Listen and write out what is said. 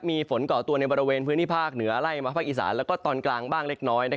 มีฝนก่อตัวในบริเวณพื้นที่ภาคเหนือไล่มาภาคอีสานและตอนกลางบ้างเล็กน้อย